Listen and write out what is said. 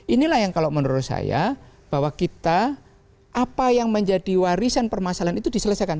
inilah yang kalau menurut saya bahwa kita apa yang menjadi warisan permasalahan itu diselesaikan